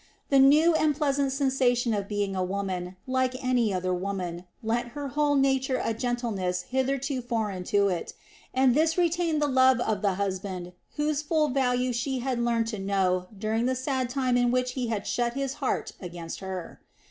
The new and pleasant sensation of being a woman, like any other woman, lent her whole nature a gentleness hitherto foreign to it, and this retained the love of the husband whose full value she had learned to know during the sad time in which he had shut his heart against her.